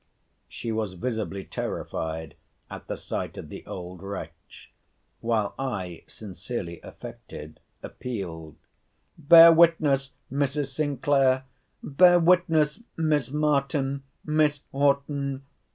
She was visibly terrified at the sight of the old wretch; while I (sincerely affected) appealed, Bear witness, Mrs. Sinclair!—bear witness, Miss Martin!—Miss Horton!